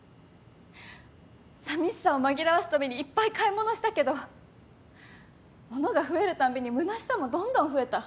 さみしさを紛らわすためにいっぱい買い物したけど物が増えるたんびにむなしさもどんどん増えた。